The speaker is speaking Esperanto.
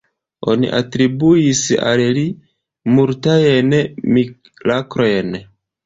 Oni atribuis al li multajn miraklojn.